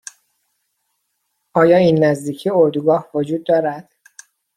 آیا این نزدیکی اردوگاه وجود دارد؟